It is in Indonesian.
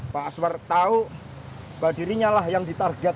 pak aswar tahu bahwa dirinya lah yang ditarget